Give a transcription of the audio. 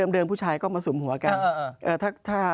ผู้ชายก็มาสุมหัวกัน